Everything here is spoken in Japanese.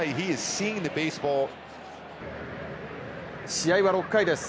試合は６回です